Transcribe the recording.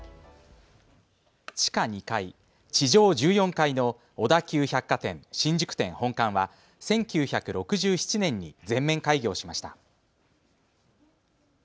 地下２階、地上１４階の小田急百貨店新宿店本館は１９６７年に全面開業しました。